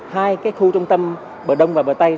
hai khu trung tâm bờ đông và bờ tây